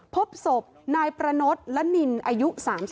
พบศพนายประนดละนินอายุ๓๒